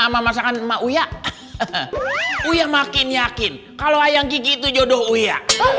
sama masakan emak uya uya makin yakin kalau wayang gigi itu jodoh uya